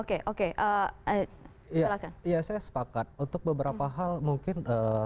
oke oke ya saya sepakat untuk beberapa hal mungkin